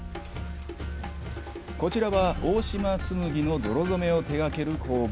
こちらは、大島紬の泥染めを手がける工房。